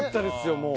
もう。